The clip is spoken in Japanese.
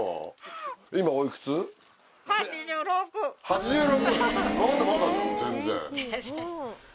８６！